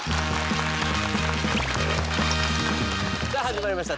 さあ始まりました